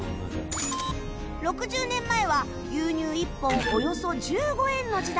６０年前は牛乳１本およそ１５円の時代